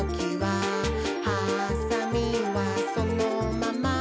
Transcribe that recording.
「はさみはそのまま、」